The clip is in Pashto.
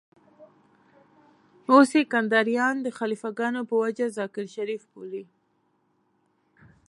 اوس يې کنداريان د خليفه ګانو په وجه ذاکر شريف بولي.